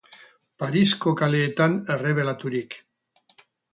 Parisko kaleetan errebelaturik.